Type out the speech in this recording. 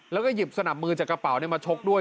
แล้วก็หยิบสนับมือจากกระเป๋ามาชกด้วย